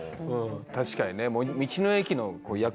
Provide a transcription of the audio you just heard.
確かにね。